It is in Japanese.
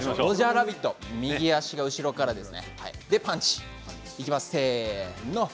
ラビット右足が後ろからです。